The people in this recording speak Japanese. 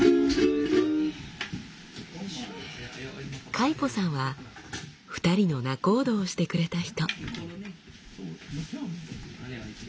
カイポさんは２人の仲人をしてくれた人。